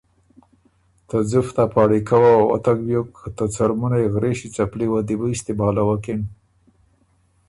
ته ځُفت ا پاړی کؤ وه وتک بیوک، ته څرمُنئ غرېݭی څپلی وه بُو استعمالوکِن